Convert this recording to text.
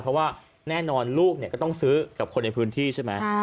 เพราะว่าแน่นอนลูกก็ต้องซื้อกับคนในพื้นที่ใช่ไหม